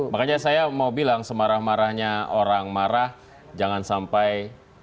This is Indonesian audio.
makanya saya mau bilang semarah marahnya orang marah jangan sampai